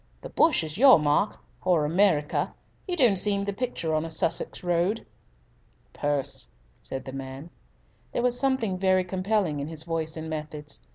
The bush is your mark or America. You don't seem in the picture on a Sussex road." "Purse," said the man. There was something very compelling in his voice and methods.